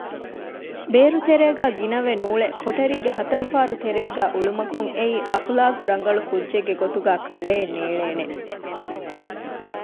ބޭރުތެރޭގައި ގިނަވެ ނޫޅެ ކޮޓަރީގެ ހަތަރު ފާރުތެރޭގައި އުޅުމަކުން އެއީ އަޚްލާޤްރަނގަޅު ކުއްޖެއްގެ ގޮތުގައި ކަނޑައެއް ނޭޅޭނެ